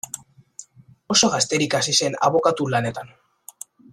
Oso gazterik hasi zen abokatu-lanetan.